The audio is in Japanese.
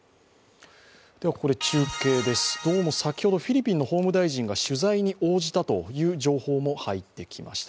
ここで中継です、先ほどフィリピンの法務大臣が取材に応じたという情報も入ってきました。